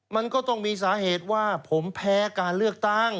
มันก็ต้องมีสาเหตุว่าผมแพ้การเลือกตั้ง